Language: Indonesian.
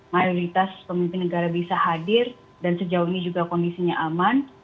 mayoritas pemimpin negara bisa hadir dan sejauh ini juga kondisinya aman